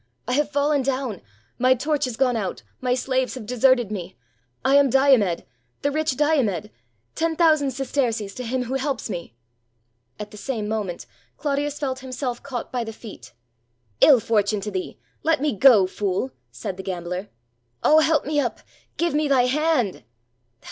"I have fallen down — my torch 444 THE DESTRUCTION OF POMPEII has gone out — my slaves have deserted me. I am Diomed — the rich Diomed; — ten thousand sesterces to him who helps me!" At the same moment, Clodius felt himself caught by the feet. ''Ill fortune to thee, — let me go, fool!" said the gambler. " "Oh, help me up! — give me thy hand!"